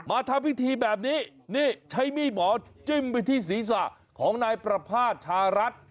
ทำพิธีแบบนี้นี่ใช้มีดหมอจิ้มไปที่ศีรษะของนายประภาษชารัฐ